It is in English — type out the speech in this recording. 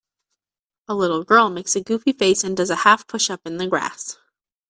A little girl makes a goofy face and does a half push up in the grass.